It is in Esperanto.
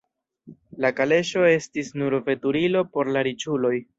La kaleŝo estis nur veturilo por la riĉuloj.